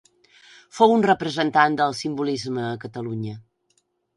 Fou un representant del Simbolisme a Catalunya.